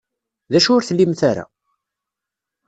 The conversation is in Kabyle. D acu ur tlimt ara?